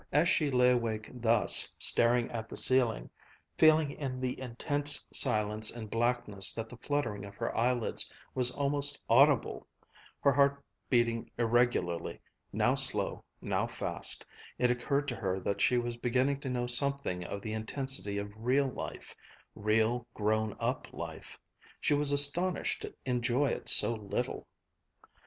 As she lay awake thus, staring at the ceiling, feeling in the intense silence and blackness that the fluttering of her eyelids was almost audible, her heart beating irregularly, now slow, now fast, it occurred to her that she was beginning to know something of the intensity of real life real grown up life. She was astonished to enjoy it so little.